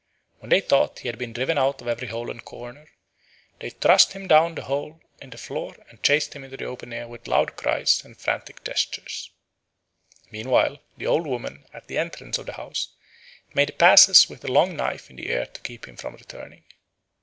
When they thought he had been driven out of every hole and corner, they thrust him down through the hole in the floor and chased him into the open air with loud cries and frantic gestures. Meanwhile the old woman at the entrance of the house made passes with a long knife in the air to keep him from returning.